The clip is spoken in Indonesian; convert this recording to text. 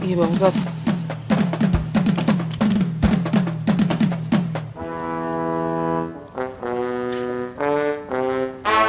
umi meminta mang kandar untuk menghubungi kalian untuk ini